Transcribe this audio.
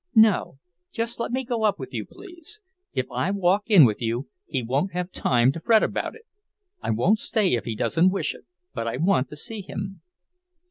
"No, just let me go up with you, please. If I walk in with you, he won't have time to fret about it. I won't stay if he doesn't wish it, but I want to see him."